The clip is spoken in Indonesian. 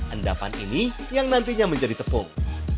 endapan ini yang nantinya menjadi tepung